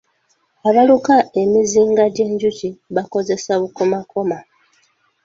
Abaluka emizinga gyenjuki bakozesa bukomakoma.